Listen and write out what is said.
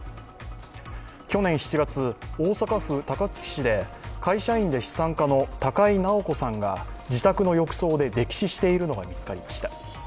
去年７月、大阪府高槻市で、会社員で資産家の高井直子さんが自宅の浴槽で溺死しているのが見つかりました。